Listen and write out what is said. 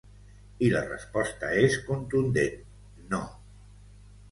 I la resposta és contundent: no.